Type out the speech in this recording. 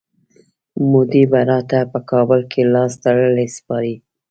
مودي به راته په کابل کي لاستړلی سپارئ.